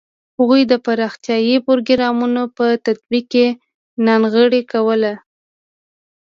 هغوی د پراختیايي پروګرامونو په تطبیق کې ناغېړي کوله.